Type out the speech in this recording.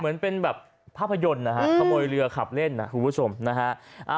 เหมือนเป็นแบบภาพยนตร์นะฮะขโมยเรือขับเล่นนะคุณผู้ชมนะฮะ